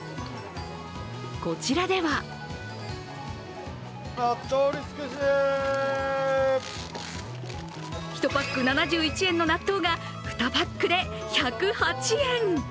こちらでは１パック７１円の納豆が２パックで１０８円。